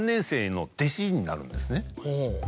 ほう。